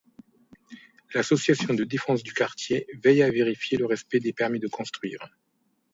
L'association de défense du quartier veille à vérifier le respect des permis de construire.